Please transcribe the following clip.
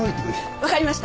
わかりました。